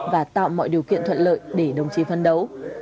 và tạo mọi điều kiện thuận lợi để đồng chí phân đấu